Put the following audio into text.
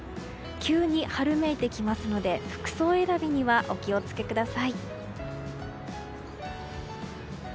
急に春めいてきますので服装選びにはお気を付けください。